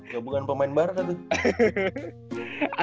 gabungan pemain barca tuh